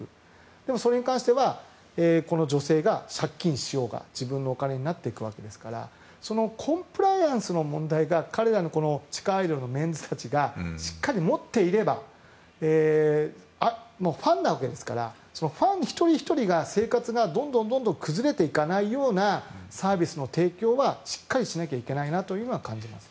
でもそれに関してはこの女性が借金しようが自分のお金になっていくわけですからそのコンプライアンスの問題が彼ら地下アイドルのメンズたちがしっかり持っていればもうファンなわけですからファン一人ひとりが生活がどんどん崩れていかないようなサービスの提供はしっかりしなきゃいけないなというのは感じますね。